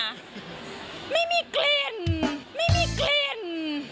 ไม่มีเกล็น